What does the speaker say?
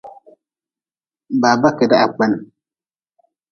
Baba keda ha kpen.